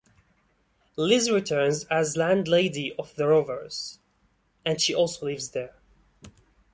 Liz returns as landlady of The Rovers and she also lives there.